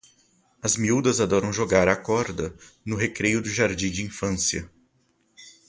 As miúdas adoram jogar à corda no recreio do jardim de infância.